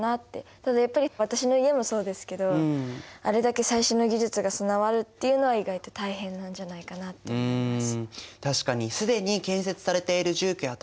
ただやっぱり私の家もそうですけどあれだけ最新の技術が備わるっていうのは意外と大変なんじゃないかなって思います。